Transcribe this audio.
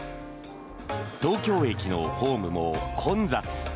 東京駅のホームも混雑。